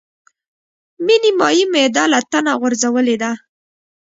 مې نيمایي معده له تنه غورځولې ده.